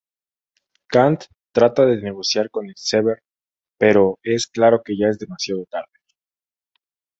Gant trata de negociar con Sever, pero es claro que ya es demasiado tarde.